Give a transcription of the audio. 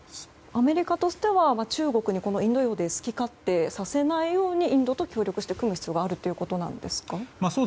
アメリカとしては中国にインド洋で好き勝手させないようにインドと協力して組む必要があるということなんですか？